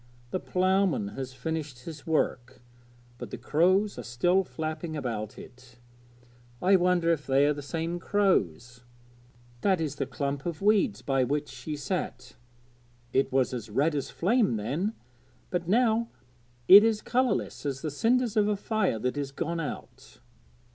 'The ploughman has finished his work, but the crows are still flapping about it. I wonder if they are the same crows! That is the clump of weeds by which she sat; it was as red as flame then, but now it is colourless as the cinders of a fire that is gone out.'